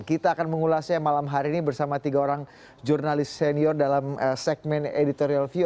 kita akan mengulasnya malam hari ini bersama tiga orang jurnalis senior dalam segmen editorial view